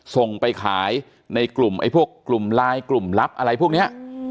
ส่งไปขายในกลุ่มไลน์กลุ่มลับอะไรพวกนี้